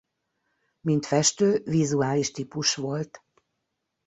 Mint festő vizuális típus volt.